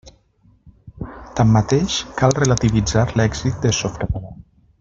Tanmateix, cal relativitzar l'èxit de Softcatalà.